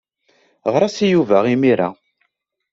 Ɣer-as i Yuba imir-a.